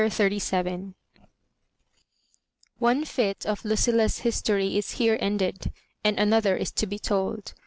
CHAPTER XXXVII. One fytte of Lucilla's history is here ended, and another is to be told.